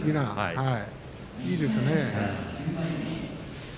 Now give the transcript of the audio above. いいですね。